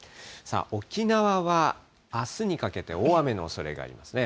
沖縄はあすにかけて、大雨のおそれがありますね。